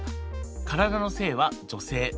体の性は女性。